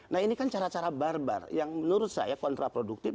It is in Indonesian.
nah ini kan cara cara barbar yang menurut saya kontraproduktif